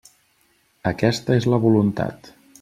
Aquesta és la voluntat.